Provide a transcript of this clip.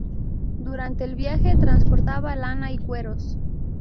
Durante el viaje transportaba lana y cueros.